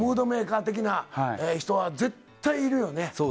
ムードメーカー的な人は絶対いるよね。